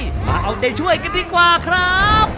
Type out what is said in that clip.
มาเอาใจช่วยกันดีกว่าครับ